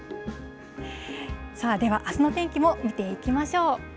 では、あすの天気も見ていきましょう。